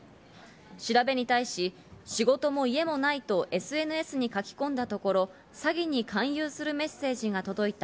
調べに対し、仕事も家もないとＳＮＳに書き込んだところ、詐欺に勧誘するメッセージが届いた。